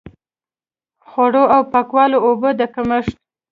خوړو او پاکو اوبو د کمښت.